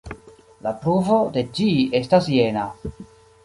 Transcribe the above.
La pruvo de ĝi estas jena.